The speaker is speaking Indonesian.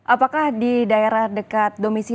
apakah di daerah dekat domisi